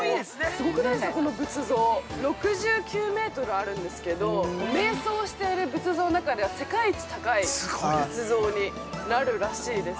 すごくないですか、この仏像。６９メートルあるんですけど瞑想している仏像の中では世界一高い仏像になるらしいです。